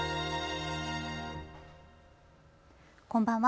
こんばんは。